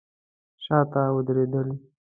شاته ودرېدل.